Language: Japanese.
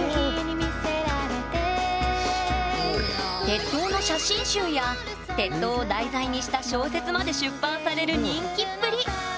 鉄塔の写真集や鉄塔を題材にした小説まで出版される人気っぷり！